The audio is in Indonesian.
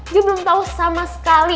gue belum tau sama sekali